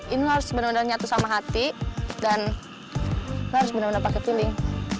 ini lu harus bener bener nyatu sama hati dan lu harus bener bener pakai feeling